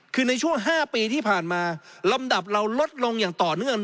คือในช่วง๕ปีที่ผ่านมาลำดับเราลดลงอย่างต่อเนื่อง